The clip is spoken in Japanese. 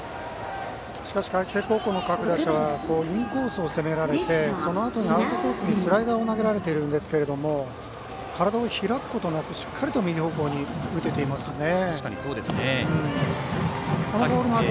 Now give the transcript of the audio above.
しかし海星高校の各打者はインコースを攻められてそのあとにアウトコースにスライダーを投げられているんですけれども体を開くことなく、しっかりと右方向に打てていますね。